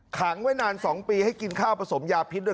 ขังไว้นาน๒ปีให้กินข้าวผสมยาพิษด้วย